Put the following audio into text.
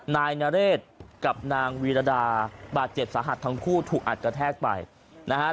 นายนเรศกับนางวีรดาบาดเจ็บสาหัสทั้งคู่ถูกอัดกระแทกไปนะฮะ